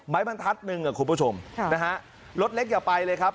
บรรทัศน์หนึ่งอ่ะคุณผู้ชมค่ะนะฮะรถเล็กอย่าไปเลยครับ